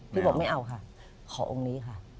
พี่บอกไม่เอาค่ะขอองค์นี้ค่ะ